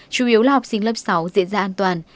chủ yếu là học sinh lớp sáu diễn ra an toàn